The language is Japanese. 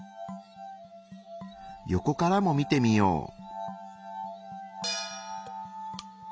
横からも見てみよう。